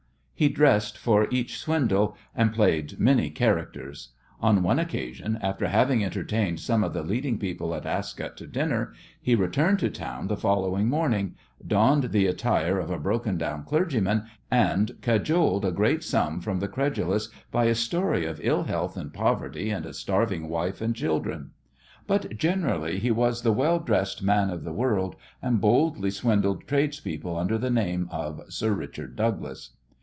He dressed for each swindle, and played many characters. On one occasion after having entertained some of the leading people at Ascot to dinner he returned to town the following morning, donned the attire of a broken down clergyman, and cajoled a large sum from the credulous by a story of ill health and poverty and a starving wife and children. But generally he was the well dressed man of the world, and boldly swindled tradespeople under the name of "Sir Richard Douglas."